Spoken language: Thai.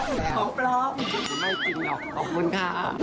หมี่จะดูไม่จริงดอกขอบคุณค่า